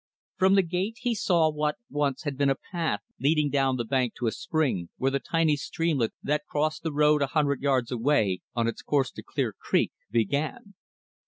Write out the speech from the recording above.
From the gate, he saw what once had been a path leading down the bank to a spring, where the tiny streamlet that crossed the road a hundred yards away, on its course to Clear Creek, began.